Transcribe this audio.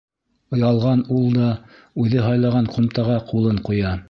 Ялған ул да үҙе һайлаған ҡумтаға ҡулын ҡуя.